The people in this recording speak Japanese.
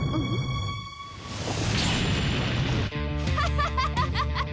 ハハハハハ。